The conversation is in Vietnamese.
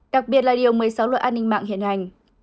đặc biệt là điều một mươi sáu luật an ninh mạng hiện hành